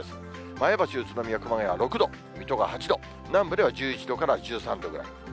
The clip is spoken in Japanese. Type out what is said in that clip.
前橋、宇都宮、熊谷は６度、水戸が８度、南部では１１度から１３度ぐらい。